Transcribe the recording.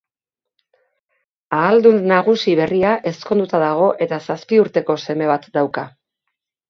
Ahaldun nagusi berria ezkonduta dago eta zazpi urteko seme bat dauka.